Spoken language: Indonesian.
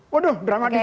waduh drama disana